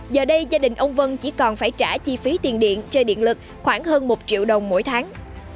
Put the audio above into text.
giờ đây gia đình ông vân chỉ còn phải trả chi phí tiền điện chơi điện lực khoảng hơn một triệu đồng mỗi tháng